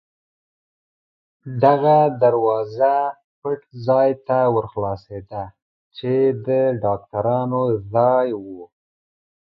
دغه دروازه پټۍ ځای ته ور خلاصېده، چې د ډاکټرانو ځای و.